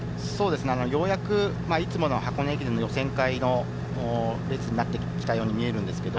ようやくいつもの箱根駅伝予選会のペースになってきたように見えます。